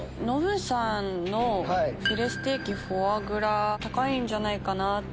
ノブさんのフィレステーキフォアグラ高いんじゃないかな。